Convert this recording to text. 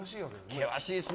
険しいですね。